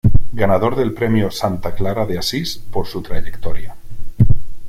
Ganador del premio Santa Clara de Asís por su trayectoria.